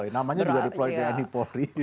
namanya juga deploy tni polri